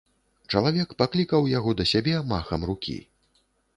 Чалавек паклікаў яго да сябе махам рукі.